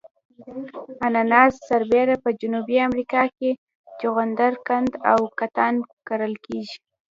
اناناس سربېره په جنوبي امریکا کې جغندر قند او کتان کرل کیږي.